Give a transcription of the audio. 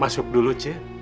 masuk dulu ce